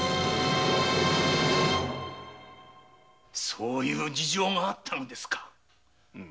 そういう事情があったのですか？